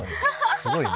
すごいね。